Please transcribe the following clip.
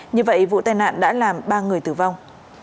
như vậy vụ tai nạn đã làm ba người tử vong